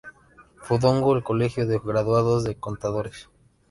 Fundó el Colegio de Graduados de Contadores.